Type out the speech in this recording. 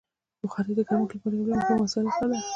بخاري د ګرمښت لپاره یو له مهمو وسایلو څخه ده.